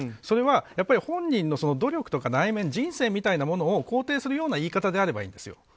それは、本人の努力とか内面、人生みたいなものを肯定するような言い方であればいいんですよ。